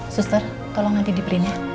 suster tolong nanti di print